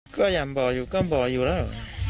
ก็ยังบอกอยู่แล้ว